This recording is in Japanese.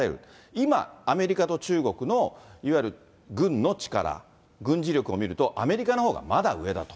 今、アメリカと中国のいわゆる軍の力、軍事力を見ると、アメリカのほうがまだ上だと。